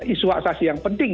isu hak saksi yang penting